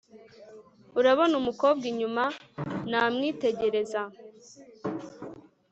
urabona umukobwa inyuma? namwitegereza